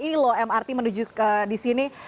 ini loh mrt menuju ke di sini